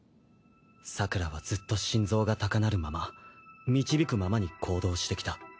さくらはずっと心臓が高鳴るまま導くままに行動してきた。